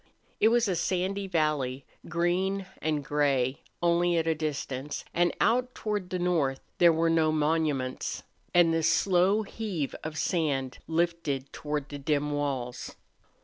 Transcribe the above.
It was a sandy valley, green and gray only at a distance, and out toward the north there were no monuments, and the slow heave of sand lifted toward the dim walls.